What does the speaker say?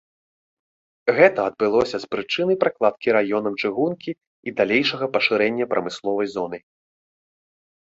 Гэта адбылося з прычыны пракладкі раёнам чыгункі і далейшага пашырэння прамысловай зоны.